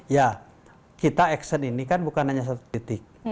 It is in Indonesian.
ya kita action ini kan bukan hanya satu titik